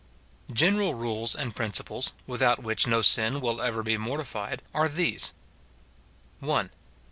General rules and principles, without which no sin will be ever mortified, are these :— 1.